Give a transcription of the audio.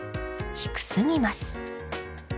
低すぎます。